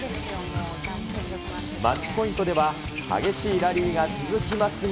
マッチポイントでは、激しいラリーが続きますが。